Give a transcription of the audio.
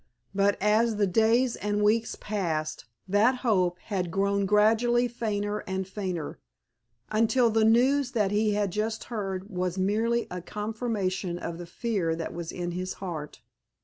But as the days and weeks passed that hope had grown gradually fainter and fainter, until the news that he had just heard was merely a confirmation of the fear that was in his heart.